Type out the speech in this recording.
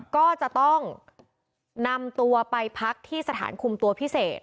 ก็จะต้องนำตัวไปพักที่สถานคุมตัวพิเศษ